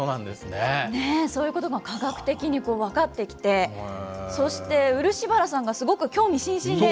ねえ、そういうことが科学的に分かってきて、そして漆原さんがすごく興味津々で。